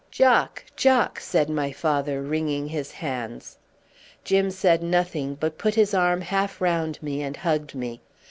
"Jock! Jock!" said my father, wringing his hands. Jim said nothing, but put his arm half round me and hugged me.